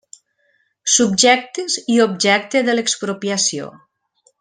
Subjectes i objecte de l'expropiació.